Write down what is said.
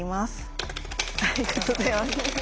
ありがとうございます。